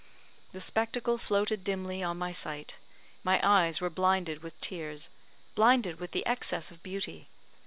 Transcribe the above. The spectacle floated dimly on my sight my eyes were blinded with tears blinded with the excess of beauty.